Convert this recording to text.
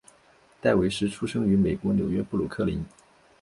戴维斯出生于美国纽约布鲁克林。